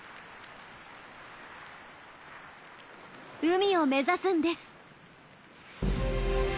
海を目指すんです。